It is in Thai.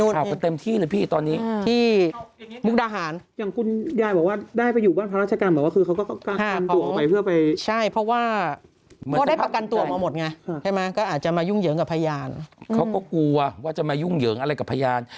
แล้วก็กลัวว่าจะมายุ่งเหยิงอะไรกับผยาน